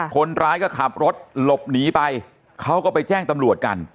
คนร้ายก็ขับรถหลบหนีไปเขาก็ไปแจ้งตำรวจกัน